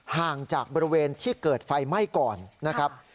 ห่างจากบริเวณที่เกิดไฟไหม้ก่อนนะครับ